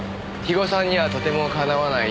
肥後さんにはとてもかなわない。